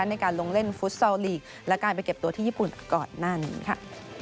ในการลงเล่นฟุตซอลลีกและการไปเก็บตัวที่ญี่ปุ่นก่อนหน้านี้ค่ะ